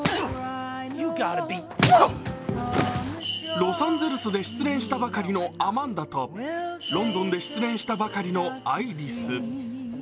ロサンゼルスで失恋したばかりのアマンダとロンドンで失恋したばかりのアイリス。